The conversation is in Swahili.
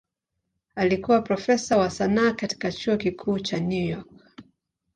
Alikuwa profesa wa sanaa katika Chuo Kikuu cha New York.